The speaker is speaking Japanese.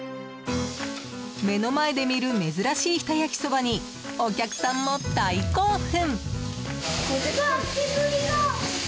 目の前で見る珍しい日田焼きそばにお客さんも大興奮！